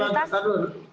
taduh taduh taduh